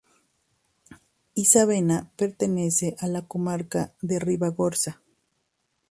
Isábena pertenece a la comarca de Ribagorza.